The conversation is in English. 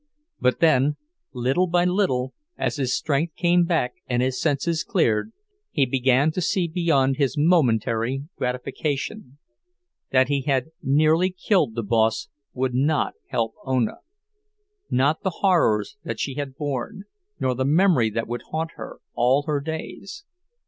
But then, little by little, as his strength came back and his senses cleared, he began to see beyond his momentary gratification; that he had nearly killed the boss would not help Ona—not the horrors that she had borne, nor the memory that would haunt her all her days.